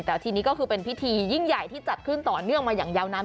แต่ทีนี้ก็คือเป็นพิธียิ่งใหญ่ที่จัดขึ้นต่อเนื่องมาอย่างยาวนาน